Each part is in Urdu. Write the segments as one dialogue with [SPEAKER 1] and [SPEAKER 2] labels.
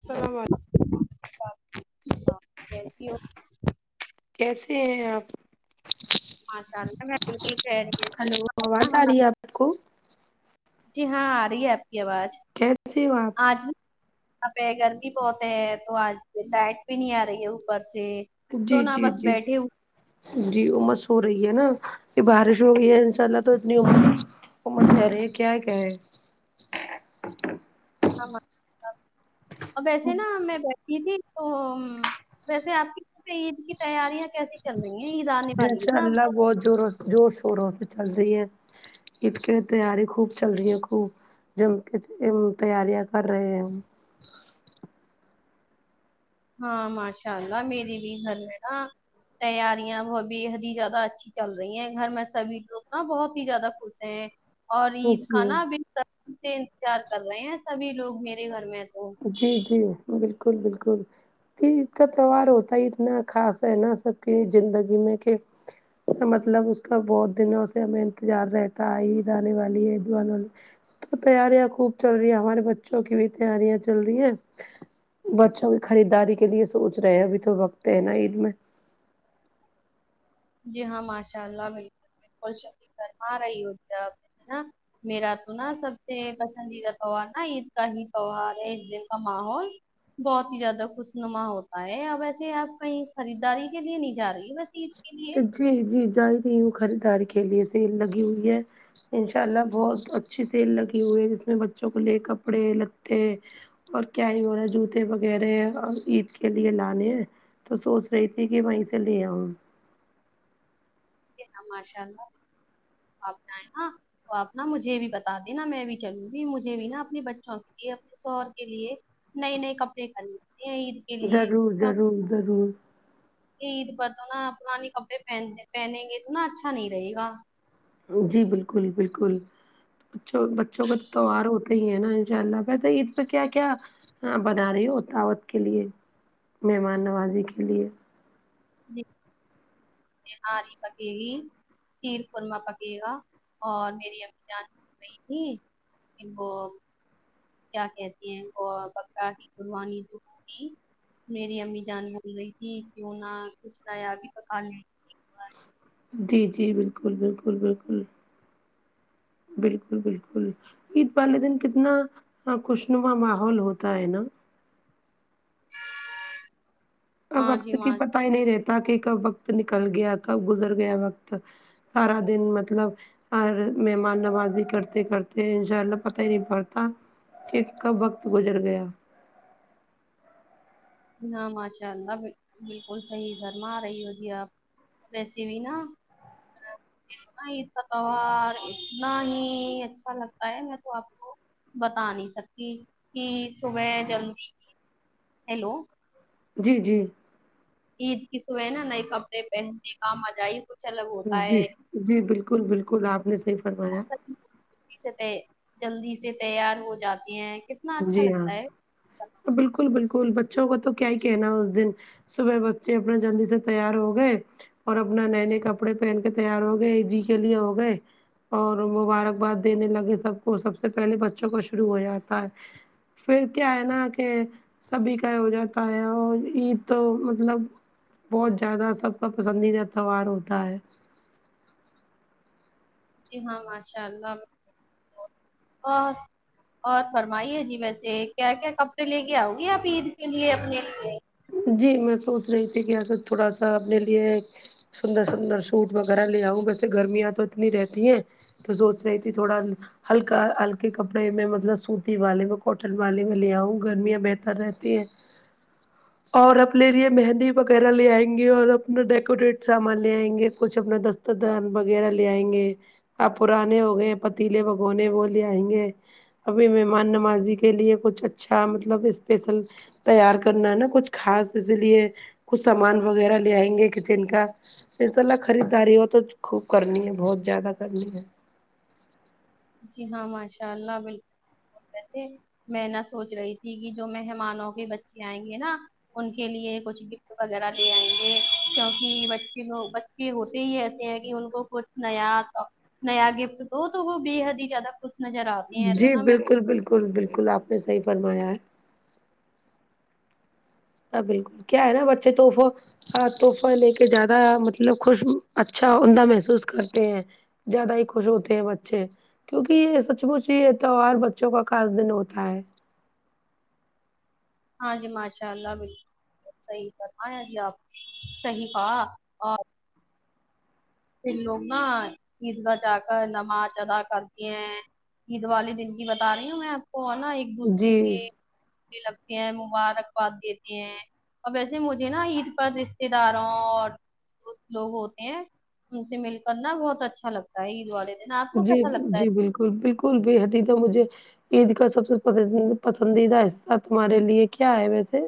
[SPEAKER 1] السلام و علیہ
[SPEAKER 2] وعلیکم السلام جی ہاں کیسی ہو
[SPEAKER 1] کیسے ہیں آپ
[SPEAKER 2] [inaudible] ماشاءاللہ میں بالکل خیریت
[SPEAKER 1] کھو
[SPEAKER 2] جی ہاں آ رہی ہے آپ کی آواز
[SPEAKER 1] کیسے ہو آپ
[SPEAKER 2] آج نہ یہاں پے گرمی بہت ہے تو آج لائٹ بھی نہیں آ رہی ہے اوپر سے
[SPEAKER 1] جی
[SPEAKER 2] تو نہ
[SPEAKER 1] جی
[SPEAKER 2] بس
[SPEAKER 1] جی
[SPEAKER 2] بیٹھے ہوئے
[SPEAKER 1] جی ہمہ سو رہی ہے نا یے بارش ہو گئی ہے انشاءاللہ تو اتنی ہمہ سو رہی ہے کیا کہہ
[SPEAKER 2] ا ویسے نا
[SPEAKER 1] ان
[SPEAKER 2] میں بیٹھی تھی تو ویسے آپ کی یہاں پے عید کی تیاریاں کیسی چل رہی ہیں عید آنے والی ہے
[SPEAKER 1] شاء
[SPEAKER 2] نا اب تو
[SPEAKER 1] اللہ بہت زوروں سے زور شوروں سے چل رہی ہے عید کی تیاری خوب چل رہی ہے خوب جم کے تیاریاں کر رہے ہیں ہم
[SPEAKER 2] ہاں ماشاء اللہ میری بھی گھر میں نا تیاریاں وہ بےحد ہی زیادہ اچھی چل رہی ہیں گھر میں سبھی لوگ نا بہت ہی زیادہ خوش ہیں اور عید کا
[SPEAKER 1] اوکے
[SPEAKER 2] نا بے صبری سے انتظار کر رہے ہیں سبھی لوگ میرے گھر میں تو
[SPEAKER 1] جی جی بالکل بالکل عید کا تہوار ہوتا ہی اتنا خاص ہے نا سب کی زندگی میں کہ مطلب اس کا بہت دنوں سے ہمیں انتظار رہتا ہے عید انے والی ہے عید انے والی تو تیاریاں خوب چل رہی ہیں ہمارے بچوں کی بھی تیاریاں چل رہی ہیں بچوں کی خریداری کے لیے سوچ رہے ہیں ابھی تو وقت ہے نا عید میں
[SPEAKER 2] جی ہاں ماشاء اللہ بالکل بالکل صحیح فرما رہی ہو جی آپ ہے نا میرا تو نا سب سے پسندیدہ تہوار نا عید کا ہی تہوار ہے اس دن کا ماحول بہت ہی زیادہ خوشنما ہوتا ہے آ ویسے آپ کہیں خریداری کے لیے نہیں جا رہی وسے عید کے لیے
[SPEAKER 1] جی جی جا ہی رہی ہوں خریداری کے لیے سیل لگی ہوئی ہے انشاء اللہ بہت اچھی سیل لگی ہوئی ہے جس میں بچوں کو لیے کپڑے لتے اور کیا ہی ہو رہا ہے جوتے وغیرہ عید کے لیے لانے ہیں تو سوچ رہی تھی کی وہی سے لے آؤں
[SPEAKER 2] جی ہاں ماشاءاللہ آپ جائے نا تو آپ نا مجھے بھی بتا دینا میں بھی چلوں گی مجھے بھی نا اپنے بچوں کے لیے شوہر کے لیے نئے نئے کپڑے خریدنے ہے عید کے لیے
[SPEAKER 1] ضرور ضرور ضرور
[SPEAKER 2] کے عید پر تو نا پرانے کپڑے پہن پہنیں گے تو نا اچھا نہیں رہے گا
[SPEAKER 1] جی بالکل بالکل بچوں بچوں کا تو تیوار ہوتے ہی ہیں نا ان شاء اللہ ویسے عید پے کیا کیا ہاں بنا رہی ہو اور دعوت کے لیے مہمان نوازی کے لیے
[SPEAKER 2] جی نہاری پکے گی شیر قورما پکیے گا اور میری امی جان گئی تھی وہ کیا کہتی ہیں بکرا کی قربانی جو ہوگی میری امی جان بول رہی تھی کیوں نہ کچھ نیا بھی پکالے
[SPEAKER 1] جی جی بالکل بالکل بالکل بالکل بالکل عید والے دن کتنا خوشنما ماحول ہوتا ہے نا اب
[SPEAKER 2] ہاں جی
[SPEAKER 1] وقت کی
[SPEAKER 2] ماں
[SPEAKER 1] پتہ ہی نہیں رہتا کہ کب وقت نکل گیا کب گزر گیا وقت سارا دن مطلب اور مہمان نوازی کرتے کرتے انشاء اللہ پتہ ہی نہیں پڑتا ٹھیک کب وقت گزر گیا
[SPEAKER 2] ہاں ماشاء اللہ بلکل سحیح فرما رہی ہو جی آپ ویسے بھی نا اتنا عید کا پیوہار اتنا ہی اچھا لگتا ہے میں تو آپ کو بتا نہیں سکتی کی صبح جلدی ہیلو
[SPEAKER 1] جی جی
[SPEAKER 2] عید کی صبح نا نئے کپڑے پہننے کا مزہ ہی الگ ہوتا
[SPEAKER 1] جی
[SPEAKER 2] ہے
[SPEAKER 1] جی بالکل بالکل آپ نے سحیح فرمایا
[SPEAKER 2] جلدی سے جلدی سے تیار ہو جاتی ہیں کہ
[SPEAKER 1] جی ہاں بالکل بالکل بچوں کا تو کیا ہی کہنا ہے اس دن صبح بچے اپنے جلدی سے تیار ہو گئے اور اپنا نئے نئے کپڑے پہن کے تیار ہو گئے عیدی کے لیے ہو گئے اور مبارکباد دینے لگے سب کو سب سے پہلے بچوں کو شروع ہو جاتا ہے پھر کیا ہے نا کہ سبھی کا ہو جاتا ہے اور عید تو مطلب بہت زیادہ سب کا پسندیدہ تہوار ہوتا ہے
[SPEAKER 2] جی ہاں ماشاء اللہ اور اور فرمائیے جی ویسے کیا کیا کپڑے لے کے آؤ گی آپ عید کے لیے اپنے لیے
[SPEAKER 1] جی میں سوچ رہی تھی کی اگر تھوڑا سا اپنے لیے سندر سندر سوٹ وغیرہ لے آؤں ویسے گرمیاں تو اتنی رہتی ہیں تو سوچ رہے تھی تھوڑا ہلکا ہلکے کپڑے میں مطلب سوتی والیے میں کاٹن والیے میں لے آؤں گرمیاں بہتر رہتی ہیں اور اپنے لیے مہندی وغیرہ لے آئیں گے اور اپنا ڈیکوریٹ سامان لے آئیں گے کچھ اپنا دس تو دان وغیرہ لے آئیں گے آپ پرانے ہو گئے پتیلے بگونے وہ لے آئیں گے ابھی مہمان نمازی کے لیے کچھ اچھا مطلب اسپیشل تیار کرنا ہے نا کچھ خاص اس لیے کچھ سامان وغیرہ لے آئیں گے کچن کا انشاءاللہ خریداری ہو تو خوب کرنی ہے بہت زیادہ کرنی ہے
[SPEAKER 2] جی ہاں ماشاء اللہ بلکل رہتے ہیں میں نہ سوچ رہی تھی کہ جو مہمانوں کے بچے آئیں گے نا ان کے لیے کچھ گفٹ وغیرہ لے آئیں گے کیونکی بچے لوگ چے ہوتے ہی ایسے ہیں کی ان کو کچھ نیا نیا گفٹ دو تو وہ بے حد ہی زیادہ خوش نظر آتے ہیں تو
[SPEAKER 1] جی
[SPEAKER 2] نا میں
[SPEAKER 1] بالکل بالکل بالکل آپ نے صحیح فرمایا ہے ہاں بالکل کیا ہے نا بچے توفو ہاہ تحفہ لے کے زیادہ مطلب خوش اچھا عمدہ محسوس کرتے ہیں زیادہ ہی خوش ہوتے ہیں بچے کیونکی یے سچ مچ یے تہوار بچوں کا خاص دن ہوتا ہے
[SPEAKER 2] ہاں جی ماشاء اللہ بالکل صحیح فرمایا جی آپ صحیح کھا آپ پھر لوگ نا عید گاہ جا کر نماز ادا کرتی ہیں عید والے دن کی بتا رہی ہوں میں آپ کو نا ایک دوسرے
[SPEAKER 1] جی
[SPEAKER 2] کے گلے لگتے ہیں مبارکباد دیتے ہیں اور ویسے مجھے نا عید پر رشتے داروں اور دوست لوگ ہوتے ہیں ان سے مل کرنا بہت اچھا لگتا ہے عید والے دن آپ کو
[SPEAKER 1] جی
[SPEAKER 2] کیسا لگتا ہے
[SPEAKER 1] جی بالکل بالکل اسکول بےحد ہی تو مجھے عید کا سب سے پسندیدہ حصہ تمہارے لیے کیا ہے ویسے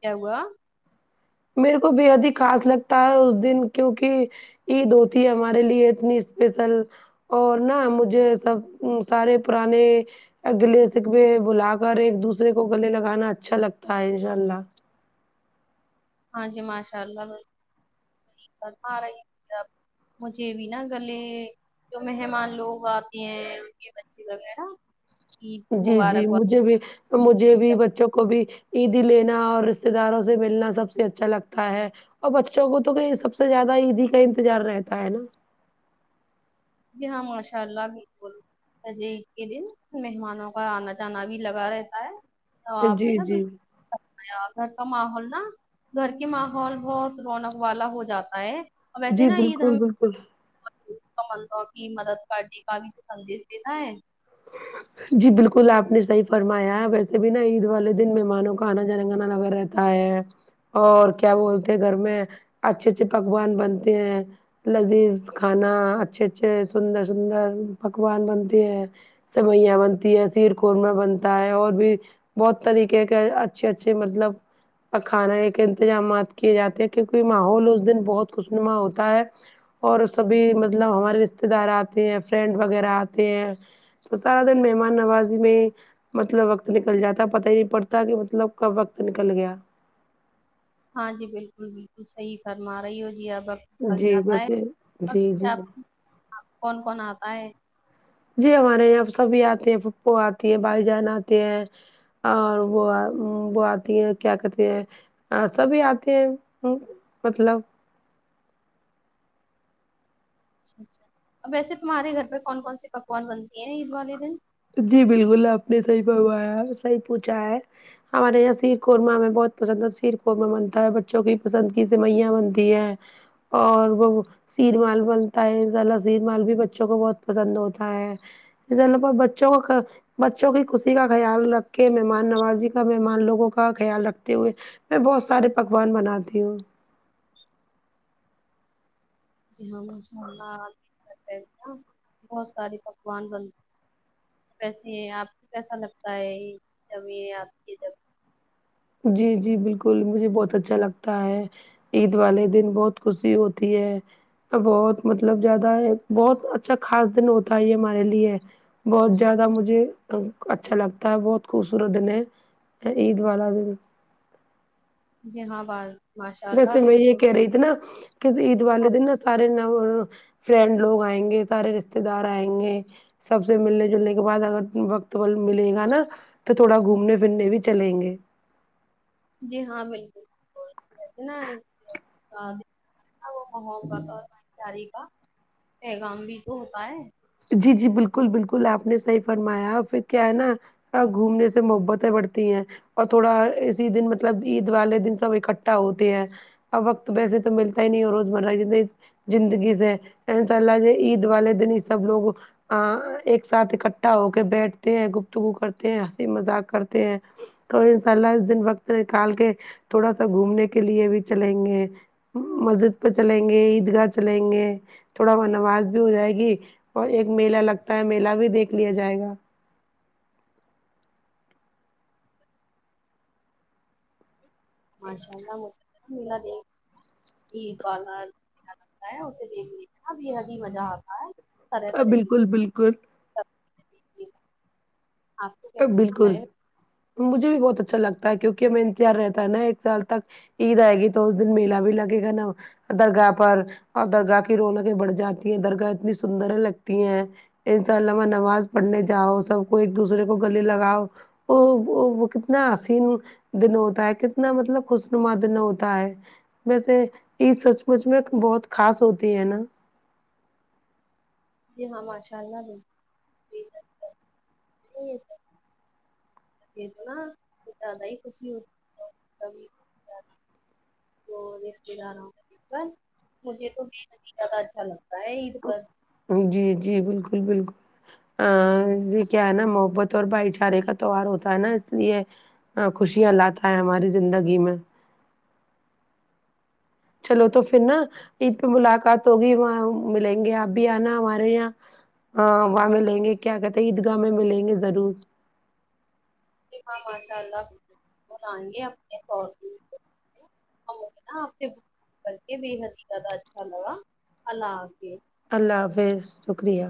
[SPEAKER 2] کیا ہوا
[SPEAKER 1] میرے کو بے حد ہی خاص لگتا ہے اس دن کیونکی عید ہو تی ہے ہمارے لیے اتنی اسپیشل اور نا مجھے سب سارے پرانے گلے سے بھلا کر ایک دوسرے کو گلے لگانا اچھا لگتا ہے ان شاء اللہ
[SPEAKER 2] ہاں جی ماشاء اللہ بالکل صحیح فرما رہی ہے جی آپ مجھے بھی نا گلے جو مہمان لوگ آتے ہیں ان کے بچے وغیرہ عید
[SPEAKER 1] جی جی
[SPEAKER 2] مبارکباد
[SPEAKER 1] مجھے بھی مجھے بھی بچوں کو بھی عیدی لینا اور رشتے داروں سے ملنا سب سے اچھا لگتا ہے اور بچوں کو تو کہ سب سے زیادہ عیدی کا انتظار رہتا ہے نا
[SPEAKER 2] جی ہاں ماشاء اللہ بالکل آج عید کے دن مہمانوں کا آنا جانا بھی لگا رہتا ہے ہاں آپ نے
[SPEAKER 1] جی
[SPEAKER 2] نا
[SPEAKER 1] جی
[SPEAKER 2] بالکل فرمایا گھر کا ماحول نا گھر کے ماحول بہت رونق والا ہو جاتا ہے ویسے
[SPEAKER 1] جی
[SPEAKER 2] نا عید
[SPEAKER 1] بالکل
[SPEAKER 2] ہمیں
[SPEAKER 1] بالکل
[SPEAKER 2] [unintelligible] تو کی مدد کرنے کا بھی سندیش دیتا ہے
[SPEAKER 1] جی بالکل آپ نے صحیح فرمایا ہے ویسے بھی نا عید والے دن مہمانوں کا آنا جنا گنا لگا رہتا ہے اور کیا بولتے ہیں گھر میں اچھے اچھے پکوان بنتے ہیں لذیذ کھانا اچھے اچھے سندر سندر پکوان بنتے ہیں سوئیاں بنتی ہے سیر قورمہ بنتا ہے اور بھی بہت طریقے کے اچھے اچھے مطلب اور کھانا کے انتظامات کیے جاتے ہیں کیونکی ماحول اس دن بہت خوشنما ہوتا ہے اور سبھی مطلب ہمارے رشتے دار آتے ہیں فرینڈ وغیرہ آتے ہیں تو سارا دن مہمان نوازی میں ہی مطلب وقت نکل جاتا پتہ ہی نہیں پڑتا کی مطلب کب وقت نکل گیا
[SPEAKER 2] ہاں جی بالکل بالکل صحیح فرما رہی ہو جی اب آپ نکل
[SPEAKER 1] جی
[SPEAKER 2] جاتا ہے
[SPEAKER 1] ویسے جی جی
[SPEAKER 2] [unintelligible] کون کون آتا ہے
[SPEAKER 1] جی ہمارے یہاں سبھی آتے ہیں پھوپھو آتے ہیں بھائی جان آتے ہیں اور وہ وہ آتی ہے کیا کہتے ہیں آ سبھی آتے ہیں ہمم مطلب
[SPEAKER 2] اچھا اچھا ا ویسے تمہارے گھر پے کون کون سی پکوان بنتی ہیں عید والے دن
[SPEAKER 1] جی بالکل آپ نے صحیح فرمایا ہے صحیح پوچھا ہے ہمارے یہاں سیر قورمہ ہمیں بہت پسند ہے سیر قورمہ بنتا ہے بچوں کی پسندگی سوئیا بنتی ہے اور وہ شیر مال بنتا ہے زلا شیر مال بھی بچوں کو بہت پسند ہوتا ہے اس [unintelligible] چو کا بچوں کی خوشی کا خیال رکھ کے مہمان نوازی کا مہمان لوگوں کا خیال رکھتے ہوئے میں بہت سارے پکوان بناتی ہوں
[SPEAKER 2] جی ہاں ماشاءاللہ آپ نے بتایئے ہے نہ بہت سارے پکوان بن ویسے آپ کو کیسا لگتا ہے یے جب آپ کے جب
[SPEAKER 1] جی جی بالکل مجھے بہت اچھا لگتا ہے عید والے دن بہت خوشی ہوتی ہے بہت مطلب زیادہ ہے بہت اچھا خاص دن ہوتا ہے یے ہمارے لیے بہت زیادہ مجھے اچھا لگتا ہے بہت خوبصورت دن ہے عید والا دن
[SPEAKER 2] جی ہاں باز ماشاء اللہ
[SPEAKER 1] ویسے میں یے کہہ
[SPEAKER 2] بالکل
[SPEAKER 1] رہی تھی نا کہ عید والے دن نہ سارے وہ فرینڈ لوگ آئیں گے سارے رشتے دار آئیں گے سب سے ملنے جلنے کے بعد اگر وقت ملے گا نا تو تھوڑا گھومنے پھرنے بھی چلیں گے
[SPEAKER 2] جی ہاں بالکل [inaudible] پیغام بھی تو ہوتا ہے
[SPEAKER 1] جی جی بالکل بالکل آپ نے صحیح فرمایا اور پھر کیا ہے نا ساتھ گھومنے سے محبتیں بڑھتی ہیں اور تھوڑا اسی دن مطلب عید والے دن سب اکٹھا ہوتے ہیں اب وقت تو ویسے تو ملتا ہی نہیں ہے روزمرہ کے دن زندگی سے ہے انشا اللہ عید والے دن ہی سب لوگ آ ایک ساتھ اکٹھا ہو کے بیٹھتے ہیں گفتگو کرتے ہیں ہنسی مذاق کرتے ہیں تو انشاء اللہ اس دن وقت نکال کے تھوڑا سا گھومنے کے لیے بھی چلیں گے مسجد پے چلیں گے عیدگاہ چلیں گے تھوڑا وہ نماز بھی ہو جائے گی اور ایک میلہ لگتا ہے میلہ بھی دیکھ لیا جائے گا
[SPEAKER 2] ماشاء اللہ مجھے بھی ملا دے عید [inaudible] طرح طرح کی
[SPEAKER 1] بالکل بالکل
[SPEAKER 2] [inaudible] کیسا لگتا
[SPEAKER 1] بالکل
[SPEAKER 2] ہے
[SPEAKER 1] مجھے بھی بہت اچھا لگتا ہے کیونکہ میں انتظار رہتا ہے نا ایک سال تک عید آئے گی تو اس دن میلہ بھی لگے گا نا درگاہ پر اور درگاہ کی رونقیں بڑھ جاتی ہیں درگاہ اتنی سندری لگتی ہیں انشاء الامہ نماز پڑھنے جاؤ سب کو ایک دوسرے کو گلے لگاؤ او وہ وہ کتنا حسین دن ہوتا ہے کتنا مطلب خوشنما دن ہوتا ہے ویسے عید سچ مچ میں بہت خاص ہوتی ہے نا
[SPEAKER 2] جی ہاں ماشاء اللہ بالکل [unintelligible] یے تو نا کچھ زیادہ ہی خوشی ہوتی کبھی تو رشتے داروں دیکھ کر مجھے تو [unintelligible] اچھا لگتا ہے عید پر
[SPEAKER 1] جی جی بالکل بالکل آ یے کیا ہے نا محبت اور بھائی چارے کا تہوار ہوتا ہے نا اس لیے آ خوشیاں لاتا ہے ہماری زندگی میں چلو تو پھر نا عید پے ملاقات ہوگی وہاں ملیں گے آپ بھی آنا ہمارے یہاں ہاں وہاں ملیں گے کیا کہتے ہیں عیدگاہ میں ملیں گے ضرور
[SPEAKER 2] جی ہاں ماشاء اللہ [unintelligible] ہمیں تو نا اپ سے گفتگو کر کر بے حد ہی زیادہ اچھا لگا اللہ حافظ
[SPEAKER 1] اللہ حافظ شکریہ